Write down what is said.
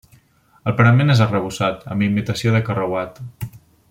El parament és arrebossat, amb imitació de carreuat.